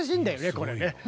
これね。